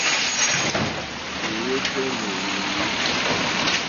Èéyɛ́ tɛ́ nà èéyé.